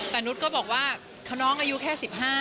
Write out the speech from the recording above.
แต่นุษย์ก็บอกว่าน้องอายุแค่๑๕